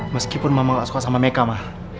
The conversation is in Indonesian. meskipun mama gak suka sama meka mah